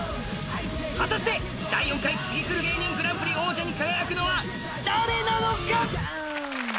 果たして第４回ツギクル芸人グランプリ王者に輝くのは誰なのか。